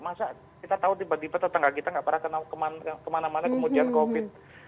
masa kita tahu tiba tiba tetangga kita nggak pernah kemana mana kemudian covid